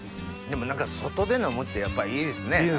でも何か外で飲むってやっぱいいですね。